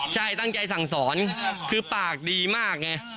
ใช่ตั้งใจสั่งสรนคือปากดือมากเฮ้อด